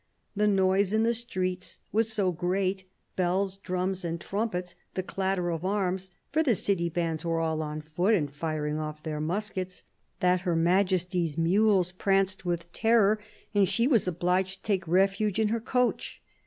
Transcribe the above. The noise in the streets was so great — bells, drums and trumpets, the clatter of arms (for the city bands were all on foot and firing off their muskets) — that Her Majesty's mules pranced with terror, and she was 78 CARDINAL DE RICHELIEU obliged to take refuge in her coach.